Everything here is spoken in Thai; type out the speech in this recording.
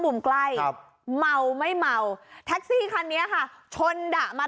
ใกล้ครับเมาไม่เมาแท็กซี่คันนี้ค่ะชนดะมา